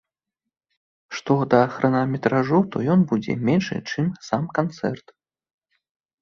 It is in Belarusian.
Што да хронаметражу, то ён будзе меншы, чым сам канцэрт.